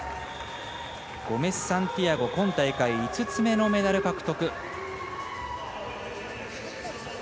ゴメスサンティアゴ今大会５つ目のメダル獲得。